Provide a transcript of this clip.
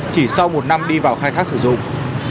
chỉ sau một năm đi vào khai thác sử dụng